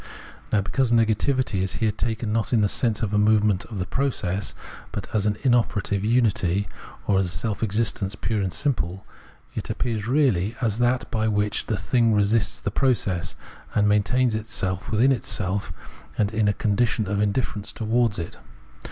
Now because negativity is here taken not in the sense of a movement of the process, but as ai; inoperative Observation of Organic Nature 275 unity, or as self existence pure and simple, it appears really as that by which the thing resists the process, and maintains itseK within itself and in a condition of indifierence towards it.